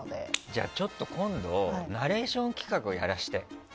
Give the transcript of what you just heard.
じゃあ今度ナレーション企画やらせて。